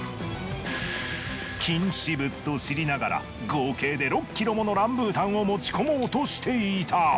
禁止物と知りながら合計で６ｋｇものランブータンを持ち込もうとしていた。